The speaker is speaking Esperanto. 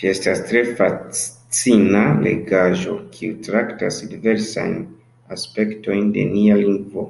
Ĝi estas tre fascina legaĵo, kiu traktas diversajn aspektojn de nia lingvo.